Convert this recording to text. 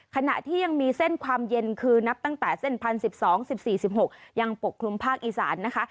ขณะที่ยังมีเส้นความเย็นคือนับตั้งแต่เส้น๑๐๑๒๑๔๑๖ยังปกคลุมภาคอีสานนะคะ